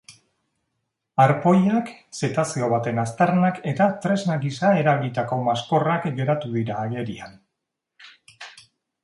Arpoiak, zetazeo baten aztarnak eta tresna gisa erabilitako maskorrak geratu dira agerian.